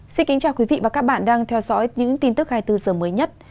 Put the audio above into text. xin kính chào quý vị và các bạn đang theo dõi những tin tức hai mươi bốn h mới nhất